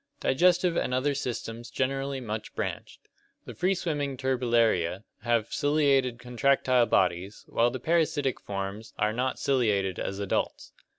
Digestive and other systems generally much branched. The free swimming Turbellaria (Lat. lurba, whirling) have ciliated contractile bodies, while the parasitic forms are not ciliated as adults.